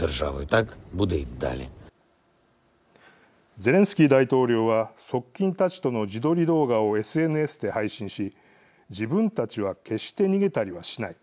ゼレンスキー大統領は側近たちとの自撮り動画をＳＮＳで配信し自分たちは決して逃げたりはしない。